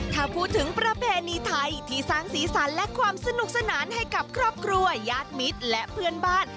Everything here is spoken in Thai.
ถ้าพูดถึงประเพณีไทยที่สร้างสีสันและความสนุกสนานให้กับครอบครัวญาติมิตรและเพื่อนบ้าน